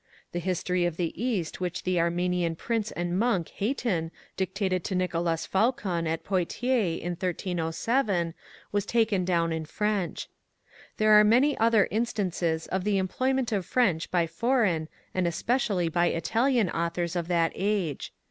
^ The History of the East which the Armenian Prince and Monk Hayton dictated to Nicolas Faulcon at Poictiers in 1307 was taken down in French. There are many other instances of the employment of French by foreign, and especially b}^ Italian authors of that age.